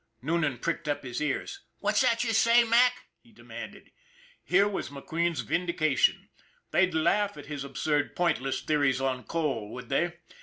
Noonan pricked up his ears. " What's that you say, Mac," he demanded. Here was McQueen's vindication. They'd laugh at his absurd, pointless theories on coal, would they?